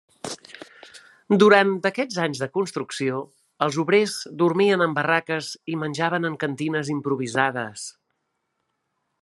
Durant aquests anys de construcció, els obrers dormien en barraques i menjaven en cantines improvisades.